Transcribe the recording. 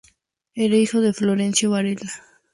Era hijo de Florencio Varela.